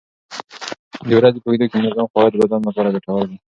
د ورځې په اوږدو کې منظم خواړه د بدن لپاره ګټور دي.